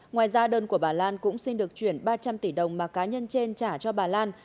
ngoài ra đơn của bà lan cũng xin được chuyển ba trăm linh tỷ đồng mà cá nhân trên trả cho bà lan